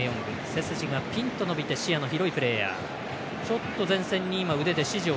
背筋がぴんと伸びて視野の広いプレーヤー。